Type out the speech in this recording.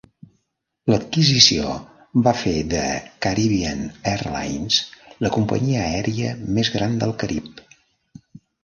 L'adquisició va fer de Caribbean Airlines la companyia aèria més gran del Carib.